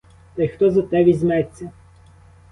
Та й хто за те візьметься?